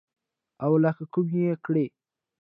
او له کومه يې کړې.